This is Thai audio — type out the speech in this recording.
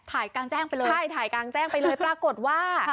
กลางแจ้งไปเลยใช่ถ่ายกลางแจ้งไปเลยปรากฏว่า